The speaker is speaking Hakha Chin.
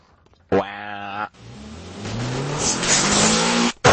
A mui a chia nain a lungthin ṭha.